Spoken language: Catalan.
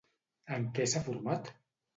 En què s'ha format?